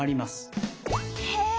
へえ！